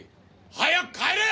早く帰れ！！